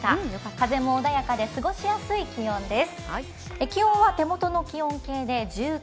風も穏やかで過ごしやすい気温です。